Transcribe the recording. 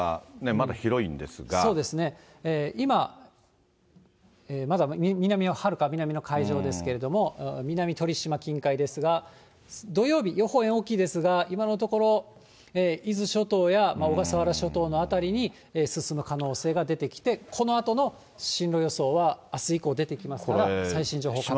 そうですね、今、まだはるか南の海上ですけれども、南鳥島近海ですが、土曜日、予報円大きいですが、今のところ、伊豆諸島や小笠原諸島の辺りに進む可能性が出てきて、このあとの進路予想は、あす以降出てきますから、最新情報確認を。